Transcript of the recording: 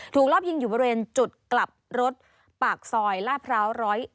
รอบยิงอยู่บริเวณจุดกลับรถปากซอยลาดพร้าว๑๐๑